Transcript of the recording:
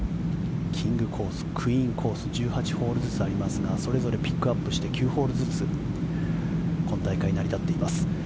キングコースクイーンコース１８ホールずつありますがそれぞれピックアップして９ホールずつ今大会、成り立っています。